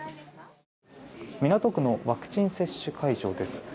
港区のワクチン接種会場です。